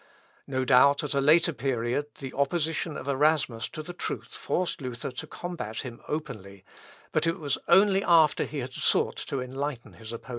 No doubt, at a later period, the opposition of Erasmus to the truth forced Luther to combat him openly, but it was only after he had sought to enlighten his opponent.